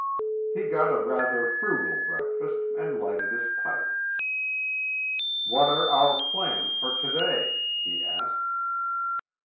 He got a rather frugal breakfast and lighted his pipe. "What are our plans for to day?" he asked.